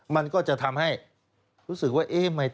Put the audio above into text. มันก็จะทำให้รู้สึกว่า